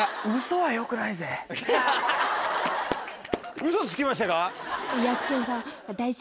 ウソつきましたか。